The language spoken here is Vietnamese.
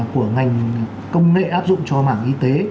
của ngành công nghệ áp dụng cho mảng y tế